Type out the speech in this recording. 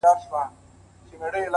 زما کار نسته بُتکده کي؛ تر کعبې پوري’